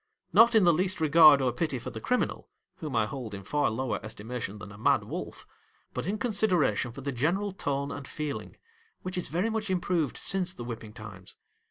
Not in the least regard or pity for the criminal, whom I hold in far lower estimation than a mad wolf, but in consideration for the general tone and feeling, which is very much improved since the whipping times.